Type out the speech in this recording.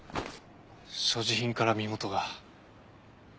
所持品から身元が。